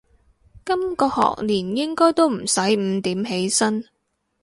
今個學年應該都唔使五點起身